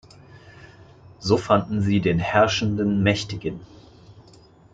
So fanden sie den Herrschenden-Mächtigen.